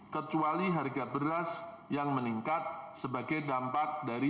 kecuali harga beras yang meningkat sebagai dampak dari